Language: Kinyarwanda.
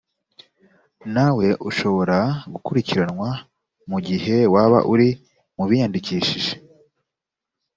nawe ushobora gukurikiranwa mu gihe waba uri mu biyandikishije.